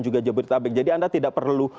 juga jabodetabek jadi anda tidak perlu